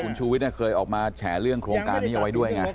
คุณชูวิทย์เคยออกมาแฉเรื่องโครงการนี้เอาไว้ด้วยไง